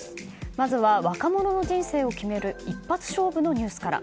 まずは、若者の人生を決める一発勝負のニュースから。